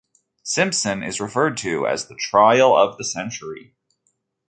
Simpson, is referred to as the trial of the century.